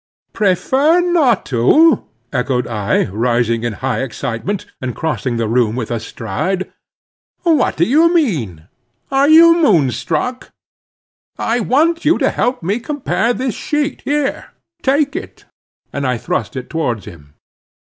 "Prefer not to," echoed I, rising in high excitement, and crossing the room with a stride. "What do you mean? Are you moon struck? I want you to help me compare this sheet here—take it," and I thrust it towards him.